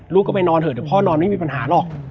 ลูกก็ไปนอนเถอะเดี๋ยวพ่อนอนไม่มีปัญหาหรอก